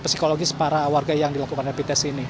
psikologis para warga yang dilakukan rapid test ini